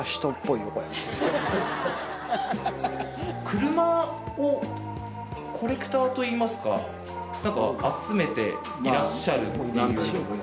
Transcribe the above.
車をコレクターといいますか集めていらっしゃる。